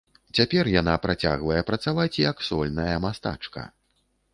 Цяпер яна працягвае працаваць як сольная мастачка.